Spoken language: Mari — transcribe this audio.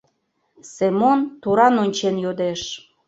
— Семон туран ончен йодеш.